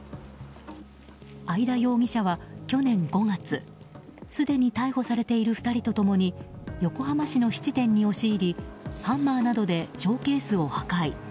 会田容疑者は去年５月すでに逮捕されている２人と共に横浜市の質店に押し入りハンマーなどでショーケースを破壊。